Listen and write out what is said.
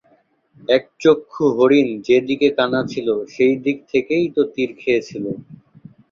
একচক্ষু হরিণ যে দিকে কানা ছিল সেই দিক থেকেই তো তীর খেয়েছিল।